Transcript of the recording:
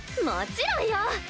もちろんよ。